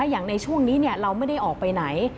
อย่างในช่วงนี้เราไม่ได้ออกไปไหน